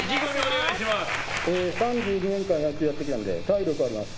３１年間、野球やってきたので体力はあります。